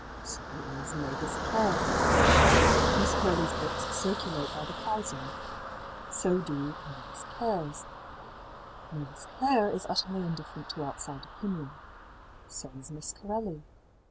So is ëMavis Clare,í Miss Corelliís books circulate by the thousand. So do ëMavis Clareís.í ëMavis Clareí is utterly indifferent to outside opinion. So is Miss Corelli.